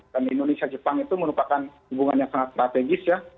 dan indonesia jepang itu merupakan hubungan yang sangat strategis ya